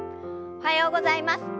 おはようございます。